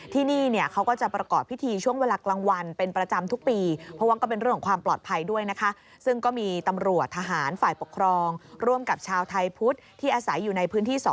ที่นี่เขาก็จะประกอบพิธีช่วงเวลากลางวันเป็นประจำทุกปี